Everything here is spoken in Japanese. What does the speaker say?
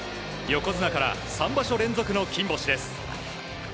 横綱から３場所連続の金星です。